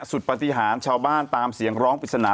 ปฏิหารชาวบ้านตามเสียงร้องปริศนา